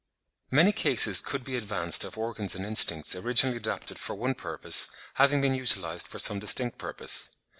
Many cases could be advanced of organs and instincts originally adapted for one purpose, having been utilised for some distinct purpose.